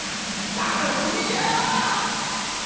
たのしみじゃ！